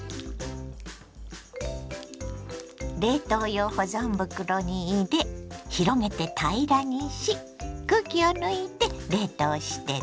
冷凍用保存袋に入れ広げて平らにし空気を抜いて冷凍してね。